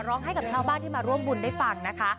ร้องให้กับชาวบ้านที่มาร่วมบุญได้ฟังนะคะ